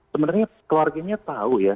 sebenarnya keluarganya tahu ya